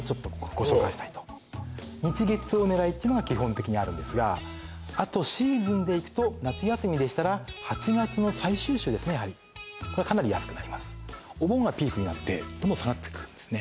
ご紹介したいと「日・月を狙え！」っていうのが基本的にあるんですがあとシーズンでいくと夏休みでしたら８月の最終週ですねやはりお盆がピークになってどんどん下がっていくんですね